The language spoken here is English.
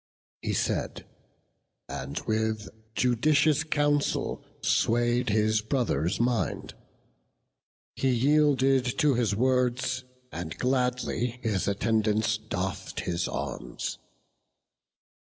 He said, and with judicious counsel sway'd His brother's mind; he yielded to his words, And gladly his attendants doff'd his arms.